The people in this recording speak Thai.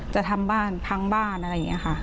จะทำบ้านพังบ้านอะไรอย่างนี้ค่ะ